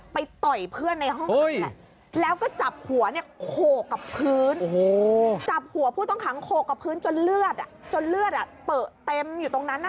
ไปต่อยเพื่อนในห้องขังแหละแล้วก็จับหัวโคกกับพื้นจับหัวผู้ต้องขังโคกกับพื้นจนเลือดอ่ะจนเลือดอ่ะเปิ่มเต็มอยู่ตรงนั้นนะค่ะ